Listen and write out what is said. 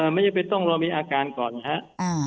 ไม่จำเป็นต้องรอมีอาการก่อนนะครับ